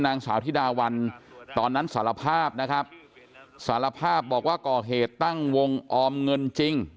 นางสาวธิดาวันตอนนั้นสารภาพนะครับสารภาพบอกว่าก่อเหตุตั้งวงออมเงินจริง